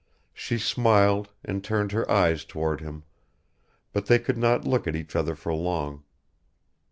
She smiled and turned her eyes towards him but they could not look at each other for long.